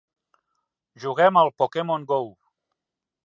Juguem al "Pokémon Go".